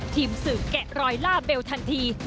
ทีมสืบแกะรอยล่าเบลทันที